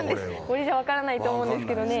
これじゃ分からないと思うんですけどね